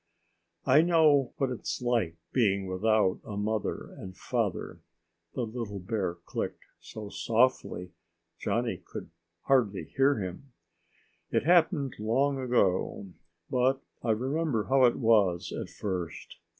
"I know what it's like being without a mother and father," the little bear clicked so softly Johnny could hardly hear him. "It happened long ago, but I remember how it was at first.